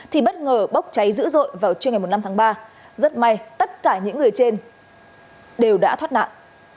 thì bất ngờ bốc cháy dữ dội vào trưa ngày năm tháng ba rất may tất cả những người trên đều đã thoát nạn